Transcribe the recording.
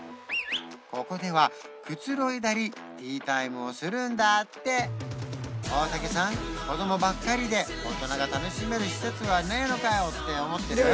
ここではくつろいだりティータイムをするんだって大竹さん子供ばっかりで大人が楽しめる施設はねえのかよって思ってる？